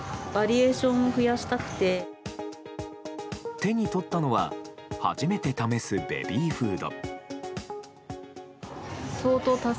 手に取ったのは初めて試すベビーフード。